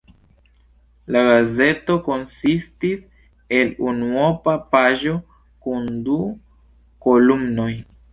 La gazeto konsistis el unuopa paĝo kun du kolumnoj.